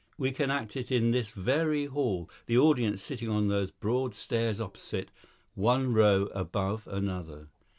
We can act it in this very hall, the audience sitting on those broad stairs opposite, one row above another.